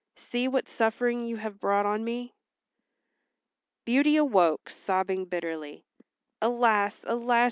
See what suffering you have brought on me." Beauty awoke, sobbing bitterly. "Alas, alas!"